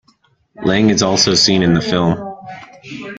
Lang is also seen in the film.